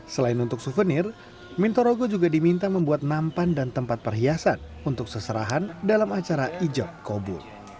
selain untuk souvenir mintorogo juga diminta membuat nampan dan tempat perhiasan untuk seserahan dalam acara ijob kobu